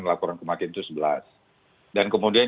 laporan kematian itu sebelas dan kemudian